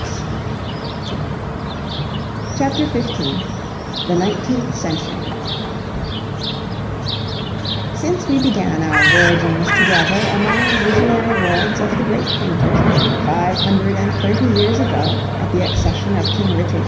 ] CHAPTER XV THE NINETEENTH CENTURY Since we began our voyagings together among the visionary worlds of the great painters, five hundred and thirty years ago, at the accession of King Richard II.